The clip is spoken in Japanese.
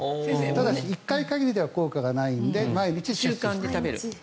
ただし１回限りでは効果がないので毎日食べる。